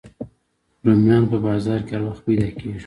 رومیان په بازار کې هر وخت پیدا کېږي